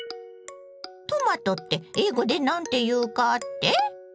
トマトって英語で何ていうかって？